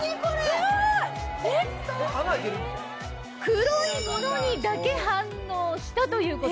すごい！黒いものにだけ反応したということ。